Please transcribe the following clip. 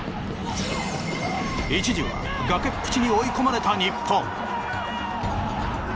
一時は崖っ淵に追い込まれた日本。